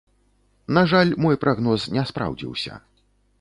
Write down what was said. На жаль, мой прагноз не спраўдзіўся.